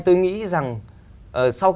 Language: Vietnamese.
tôi nghĩ rằng sau